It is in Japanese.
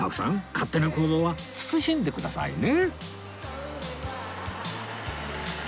勝手な行動は慎んでくださいね